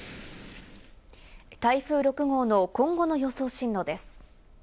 台風６号の今後の予想進路です。